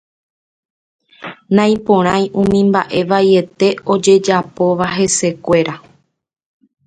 Naiporãi umi mbaʼe vaiete ojejapóva hesekuéra.